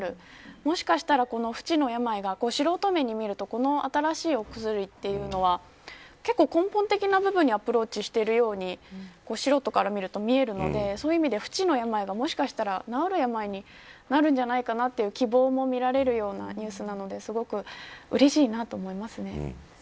もしかしたら不治の病が素人目に見るとこの新しいお薬というのは根本的な部分にアプローチしているように素人から見ると見えるので不治の病がもしかしたら治る病になるんじゃないかなという希望も見られるようなニュースなのですごくうれしいなと思います。